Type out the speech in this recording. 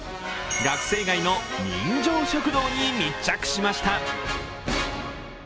学生街の人情食堂に密着しました。